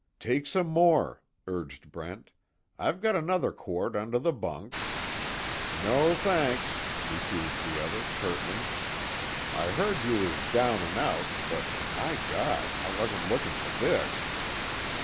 "Take some more," urged Brent, "I've got another quart under the bunk." "No thanks," refused the other, curtly, "I heard you was down an' out, but by God, I wasn't lookin' for this!"